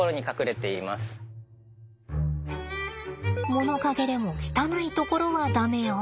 物陰でも汚いところは駄目よ。